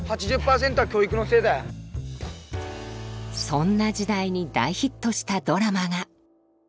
そんな時代に大ヒットしたドラマが。